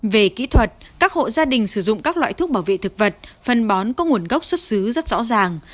về kỹ thuật các hộ gia đình sử dụng các loại thuốc bảo vệ thực vật phân bón có nguồn gốc xuất xứ rất rõ ràng